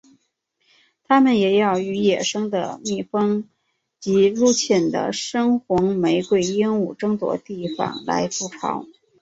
它们也要与野生的蜜蜂及入侵的深红玫瑰鹦鹉争夺地方来筑巢。